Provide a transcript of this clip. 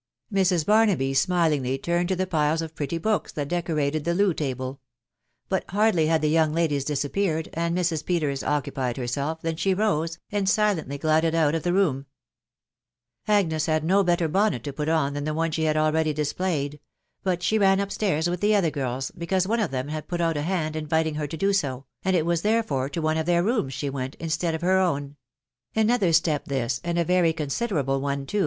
Mrs, Barnaby smilingly turned to the piles of pretty books that deeorated the loo table ; hut hardly had the young ladies disappeared, and Mrs. Peters occupied bacseK, than she rose, and silently glided out of the rocsn* Agnes had no better bonnet to put on than the one ahe had already displayed, but she ran up stairs with the other girls, because one of them had put out a hand inviting her to do so, and it was therefore to one of their voomg s^ie went, instead of her own : another step this, and * *ery considerable one too.